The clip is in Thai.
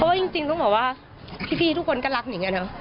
เพราะจริงต้องบอกว่าพี่ทุกคนก็รักนิงอะเนอะ